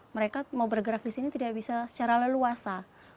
mereka mau bergerak di sini tidak bisa secara leluasa